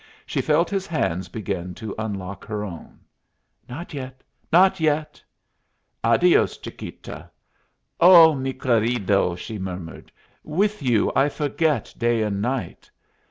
She felt his hands begin to unlock her own. "Not yet not yet!" "Adios, chiquita." "O mi querido!" she murmured; "with you I forget day and night!"